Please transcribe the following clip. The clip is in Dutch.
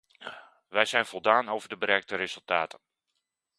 Wij zijn voldaan over de bereikte resultaten.